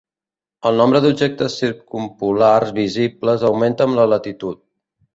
El nombre d'objectes circumpolars visibles augmenta amb la latitud.